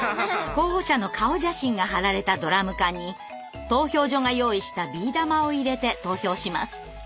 候補者の顔写真が貼られたドラム缶に投票所が用意したビー玉を入れて投票します。